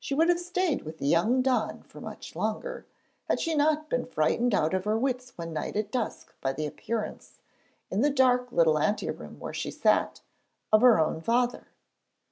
She would have stayed with the young don for much longer, had she not been frightened out of her wits one night at dusk by the appearance, in the dark little ante room where she sat, of her own father.